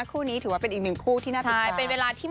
คู่นี้ถือว่าเป็นอีกหนึ่งคู่ที่น่าติดตาม